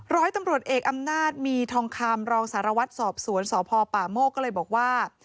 ร้อยตำรวจเอกอำนาจมีทองคำรองสารวัตรสอบสวนสพป่าโมกก็เลยบอกว่า